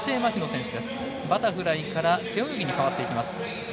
バタフライから背泳ぎに変わっていきます。